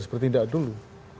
seperti tidak dulu